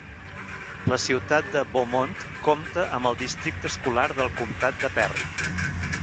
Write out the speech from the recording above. La ciutat de Beaumont compta amb el districte escolar del comtat de Perry.